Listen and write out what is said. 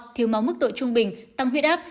thiếu máu mức độ trung bình tăng huyết áp